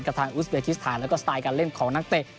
ทางอุสเบคิสถานแล้วก็สไตล์การเล่นของนักเตะ